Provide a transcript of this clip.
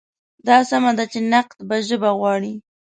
دا سمه ده چې نقد به ژبه غواړي.